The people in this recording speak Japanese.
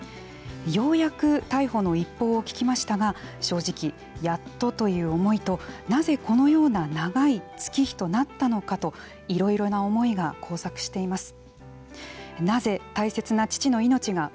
ようやく逮捕の一報を聞きましたが正直「やっと」という思いと「なぜこのような長い月日となったのか」といろいろな思いが交錯しています。